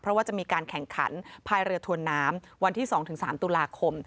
เพราะว่าจะมีการแข่งขันภายเรือถวนน้ำวันที่๒๓ตุลาคม